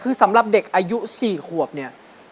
คือสำหรับเด็กอายุ๔ขวบเนี่ย